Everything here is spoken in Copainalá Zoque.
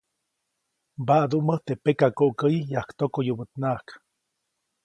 Mbaʼdumäjt teʼ pekakoʼkäyi yajktokoyubäʼtnaʼajk.